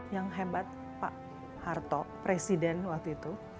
yang hebat pak harto presiden waktu itu